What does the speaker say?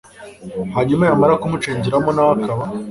hanyuma yamara kumucengeramo na we akaba